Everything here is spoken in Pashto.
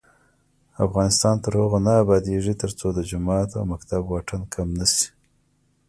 افغانستان تر هغو نه ابادیږي، ترڅو د جومات او مکتب واټن کم نشي.